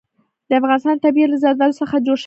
د افغانستان طبیعت له زردالو څخه جوړ شوی دی.